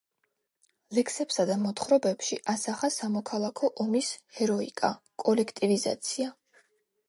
ლექსებსა და მოთხრობებში ასახა სამოქალაქო ომის ჰეროიკა, კოლექტივიზაცია.